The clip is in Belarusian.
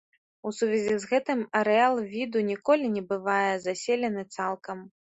У сувязі з гэтым арэал віду ніколі не бывае заселены цалкам.